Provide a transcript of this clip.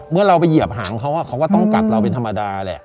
เมื่อเราไปเหยียบหางเขาเขาก็ต้องกัดเราเป็นธรรมดาแหละ